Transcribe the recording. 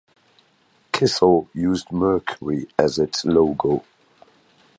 Kissel used Mercury as its logo.